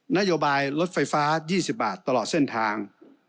นโยบายรถไฟฟ้า๒๐บาทตลอดเส้นทาง